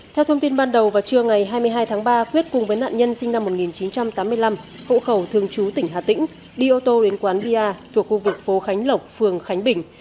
theo thông tin ban đầu vào trưa ngày hai mươi hai tháng ba quyết cùng với nạn nhân sinh năm một nghìn chín trăm tám mươi năm hộ khẩu thường chú tỉnh hà tĩnh đi ô tô đến quán bia thuộc khu vực phố khánh lộc phường khánh bình